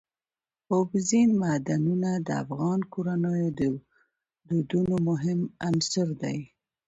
اوبزین معدنونه د افغان کورنیو د دودونو مهم عنصر دی.